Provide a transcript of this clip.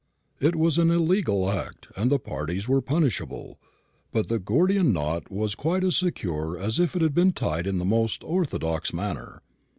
It was an illegal act, and the parties were punishable; but the Gordian knot was quite as secure as if it had been tied in the most orthodox manner.